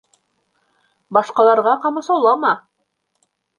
Башҡаларға ҡамасаулама!